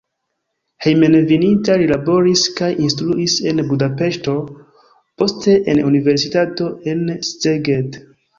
Hejmenveninta li laboris kaj instruis en Budapeŝto, poste en universitato en Szeged.